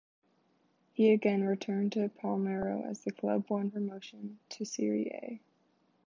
He again returned to Palermo as the club won promotion to Serie A.